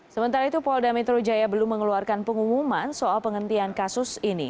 sementara itu polda metro jaya belum mengeluarkan pengumuman soal penghentian kasus ini